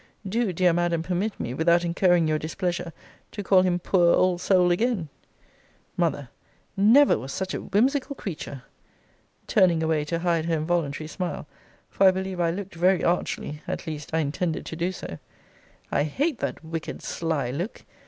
Do, dear Madam, permit me, without incurring your displeasure, to call him poor old soul again. M. Never was such a whimsical creature! [turning away to hide her involuntary smile, for I believe I looked very archly; at least I intended to do so] I hate that wicked sly look.